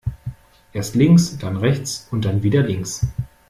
Erst links, dann rechts und dann wieder links.